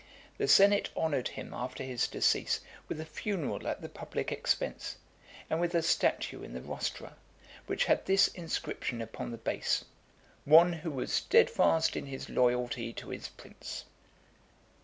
The senate honoured him after his decease with a funeral at the public expense, and with a statue in the Rostra, which had this inscription upon the base: "One who was steadfast in his loyalty to his prince."